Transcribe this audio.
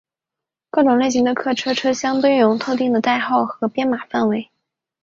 各种类型的客车车厢都拥有特定的代号和编码范围。